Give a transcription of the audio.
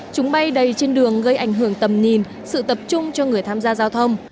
chúng bay đầy trên đường gây ảnh hưởng tầm nhìn sự tập trung cho người tham gia giao thông